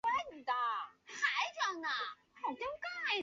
中国共产党第十九届中央委员会候补委员。